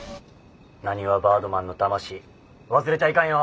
なにわバードマンの魂忘れちゃいかんよ！